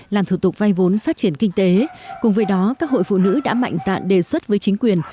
làm thủ tục vay vốn phát triển kinh tế cùng với đó các hội phụ nữ đã mạnh dạn đề xuất với chính quyền